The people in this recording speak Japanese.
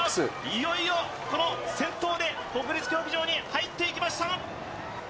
いよいよ先頭で国立競技場に入ってきました。